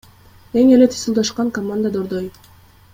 Эң эле титулдашкан команда — Дордой.